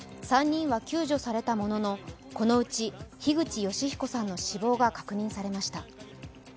３人は救助されたもののこのうち樋口善彦さんの死亡が確認されました。